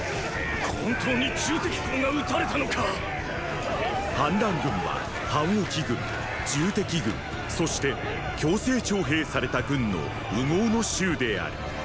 本当に戎公が討たれたのか⁉反乱軍は樊於期軍戎軍そして強制徴兵された軍の烏合の衆である。